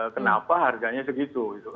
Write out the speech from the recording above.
kenapa harganya segitu